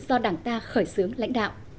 do đảng ta khởi xướng lãnh đạo